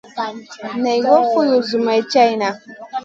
Naï goy foulou zoumay tchaïna.